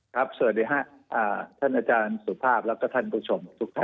ครับสวัสดีฮะท่านอาจารย์สุภาพและก็ท่านผู้ชมทุกท่าน